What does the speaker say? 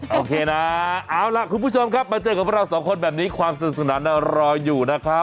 โอเคนะเอาล่ะคุณผู้ชมครับมาเจอกับเราสองคนแบบนี้ความสนุกสนานรออยู่นะครับ